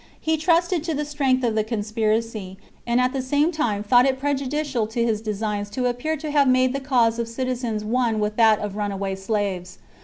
He trusted to the strength of the con spiracy, and at the same time thought it prejudicial to his designs to appear to have made the cause of citizens one with that of runaway slaves.